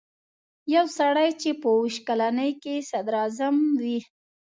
یو سړی چې په اووه ویشت کلنۍ کې صدراعظم وي.